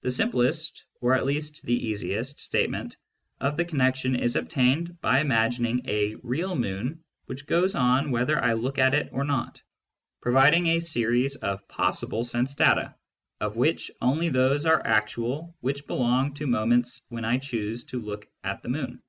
The simplest, or at least the easiest, statement of the connection is obtained by imagining a "real" moon which goes on whether 1 look at it or not, providing a series of possible sense data of which only those are actual which belong to moments when 1 choose to look at the moon.